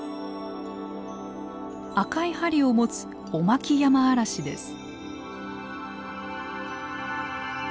赤い針を持つオマキヤマアラシです。